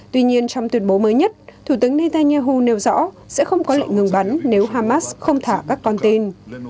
tuy nhiên trong tuyên bố mới nhất thủ tướng netanyahu nêu rõ sẽ không có lệnh ngừng bắn nếu hamas không thả các con tin